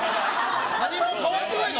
何も変わってないの？